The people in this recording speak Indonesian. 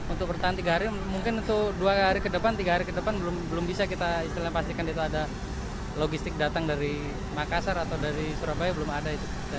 untuk bertahan tiga hari mungkin untuk dua hari ke depan tiga hari ke depan belum bisa kita istilahnya pastikan itu ada logistik datang dari makassar atau dari surabaya belum ada itu